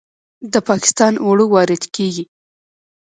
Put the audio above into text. د پاکستان اوړه وارد کیږي.